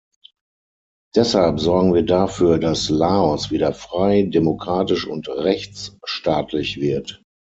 Deshalb sorgen wir dafür, dass Laos wieder frei, demokratisch und rechtsstaatlich wird.